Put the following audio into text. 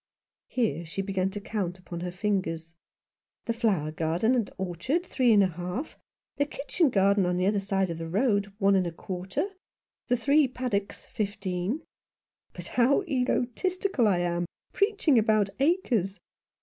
Here she began to count upon her fingers. "The flower garden and orchard three and a half, the kitchen garden on the other side of the road one and a quarter, the three paddocks fifteen. But how egotistical I am, preaching about acres.